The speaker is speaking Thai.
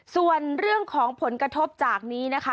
ส่วนเรื่องของผลกระทบจากนี้นะคะ